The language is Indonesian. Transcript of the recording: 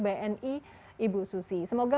bni ibu susi semoga